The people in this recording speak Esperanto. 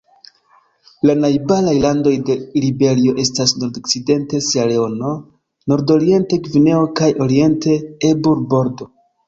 La najbaraj landoj de Liberio estas nordokcidente Sieraleono, nordoriente Gvineo kaj oriente Ebur-Bordo.